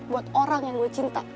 buat orang yang gue cinta